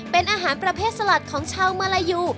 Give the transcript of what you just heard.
เป็นอาหารประเภทสลัดของชาวมาลายู